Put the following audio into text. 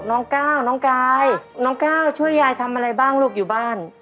น้องก้าวน้องกายน้องก้าวช่วยยายทำอะไรบ้างลูกอยู่บ้าน